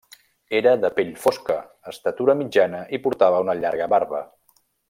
Era de pell fosca, estatura mitjana i portava una llarga barba.